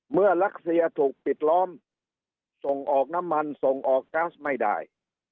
รัสเซียถูกปิดล้อมส่งออกน้ำมันส่งออกก๊าซไม่ได้